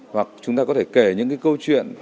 hoặc chúng ta có thể kể những câu chuyện